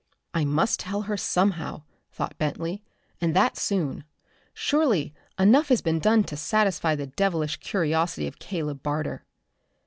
"I must tell her somehow," thought Bentley, "and that soon. Surely enough has been done to satisfy the devilish curiosity of Caleb Barter."